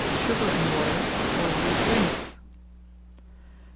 Sugar and Water, Oily Drinks.